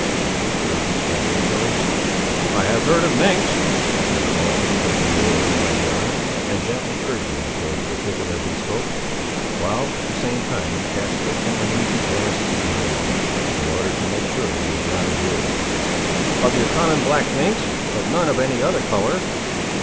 You have heard of the Red Mingos?" "I have heard of minks," said Paul, taking the old man by the arm, and gently urging him towards the thicket as he spoke; while, at the same time, he cast quick and uneasy glances behind him, in order to make sure he was not observed. "Of your common black minks; but none of any other colour."